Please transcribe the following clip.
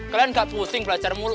kalian enggak pusing belajar mulu